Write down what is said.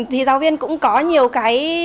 thì giáo viên cũng có nhiều cái